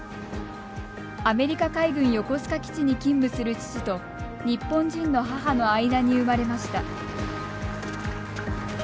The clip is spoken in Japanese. アメリカ海軍横須賀基地に勤務する父と日本人の母の間に生まれました。